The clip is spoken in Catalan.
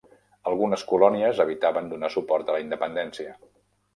Algunes colònies evitaven donar suport a la independència.